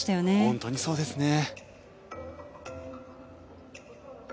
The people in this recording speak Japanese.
本当にそうですね。